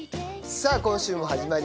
さぁ今週も始まりました。